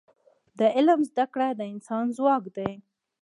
د علم زده کړه د انسان ځواک دی.